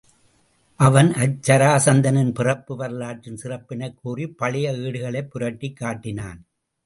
அவன் அச்சராசந்தனின் பிறப்பு வரலாற்றின் சிறப்பினைக் கூறிப் பழைய ஏடுகளைப் புரட்டிக் காட்டினான்.